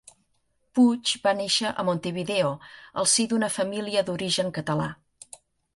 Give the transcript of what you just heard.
Puig va néixer a Montevideo, al si d'una família d'origen català.